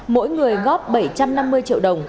mỗi người góp bảy trăm linh triệu đồng